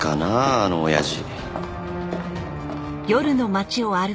あのオヤジ。